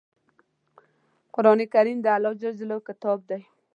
قرآن کریم د الله ﷺ کتاب دی.